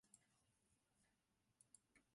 仙鹤藓为土马鬃科仙鹤藓属下的一个种。